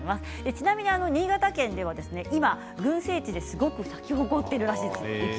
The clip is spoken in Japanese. ちなみに新潟県では今群生地ですごく咲き誇っている場所があります。